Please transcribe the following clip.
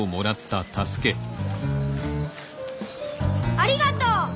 ありがとう！